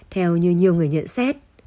theo như nhiều người nhận xét